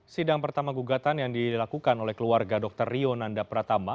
sidang pertama gugatan yang dilakukan oleh keluarga dr rio nanda pratama